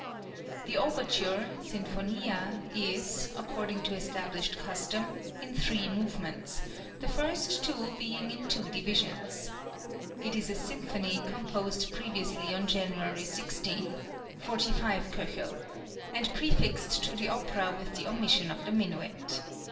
The overture (Sinfonia) is, according to established custom, in three movements, the two first being in two divisions. It is a symphony, composed previously on January 16 (45 K.), and prefixed to the opera with the omission of the minuet.